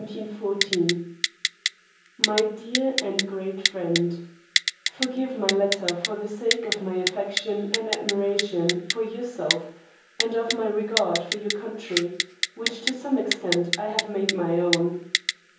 _ MY DEAR AND GREAT FRIEND, Forgive my letter for the sake of my affection and admiration for yourself and of my regard for your country, which to some extent I have made my own.